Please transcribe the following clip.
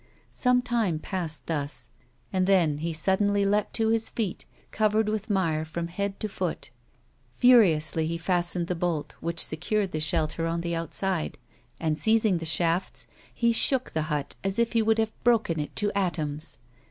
Some time passed thus, and then he suddenly leapt to his feet, covered with mire from head to foot. Furiously he fastened the bolt, which A WOMAN'S LIFE. 185 secured the shelter on the outside, and, seizing the shafts, he shook the hut as if he would have broken it to atoms.